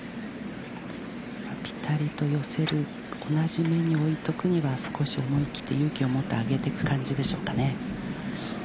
ぴたりと寄せる、同じ目に置いておくには、少し思い切って勇気を持って、上げていく感じでしょうか。